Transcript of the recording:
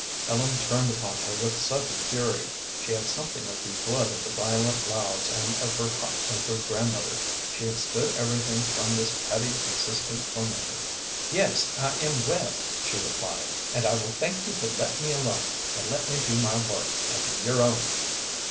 Ellen turned upon her with sudden fury. She had something of the blood of the violent Louds and of her hot tempered grandmother. She had stood everything from this petty, insistent tormentor. "Yes, I am well," she replied, "and I will thank you to let me alone, and let me do my work, and do your own."